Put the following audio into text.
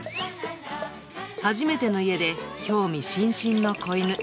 初めての家で興味津々の小犬。